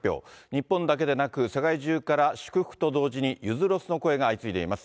日本だけでなく、世界中から祝福と同時に結弦ロスの声が相次いでいます。